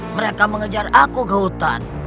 mereka mengejar aku ke hutan